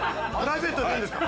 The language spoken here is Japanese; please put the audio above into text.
いいんですか？